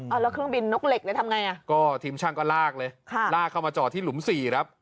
เอาแล้วเครื่องบินนกเหล็กเลยทำไงอ่ะก็ทีมช่างก็ลากเลยค่ะลากเข้ามาจอดที่หลุมสี่ครับ